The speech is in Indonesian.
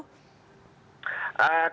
kami menyediakan bonus biasanya untuk lalu